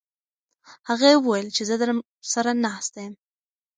هغې وویل چې زه درسره ناسته یم.